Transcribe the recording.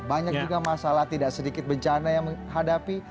banyak juga masalah tidak sedikit bencana yang menghadapi